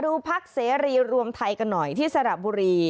พักเสรีรวมไทยกันหน่อยที่สระบุรี